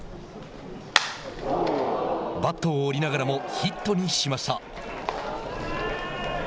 バットを折りながらもヒットにしました。